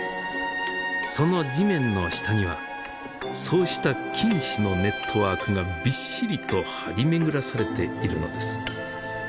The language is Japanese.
その地面の下にはそうした菌糸のネットワークがびっしりと張り巡らされているのです。